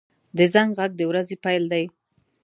• د زنګ غږ د ورځې پیل دی.